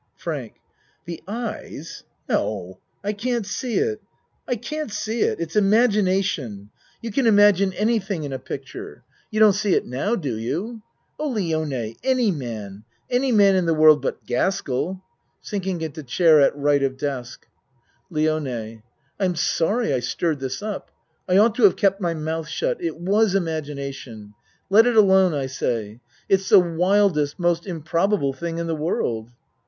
FRANK The eyes? No I can't see it. I can't see it. It's imagination. You can imagine any ACT III 93 thing in a picture. You don't see it now do you? Oh, Lione, any man any man in the world but Gaskell. (Sinking into chair at R. of desk.) LIONE I'm sorry I stirred this up. I ought to have kept my mouth shut. It was imagination. Let it alone I say. It's the wildest most improba ble thing in the world.